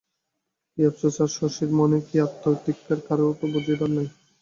কী আপসোস আজ শশীর মনে, কী আত্মধিক্কার কারো তো বুঝিবার নয়।